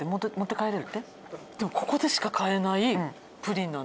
ここでしか買えないの？